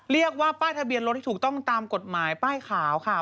เรียกว่าป้ายทะเบียนรถที่ถูกต้องตามกฎหมายป้ายขาวค่ะ